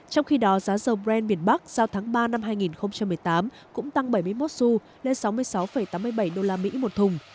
trong khi đó giá dầu brand miền bắc giao tháng ba năm hai nghìn một mươi tám cũng tăng bảy mươi một su lên sáu mươi sáu tám mươi bảy usd một thùng